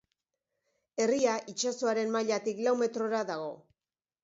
Herria itsasoaren mailatik lau metrora dago.